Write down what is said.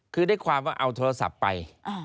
คือได้ความว่าเอาโทรศัพท์ไป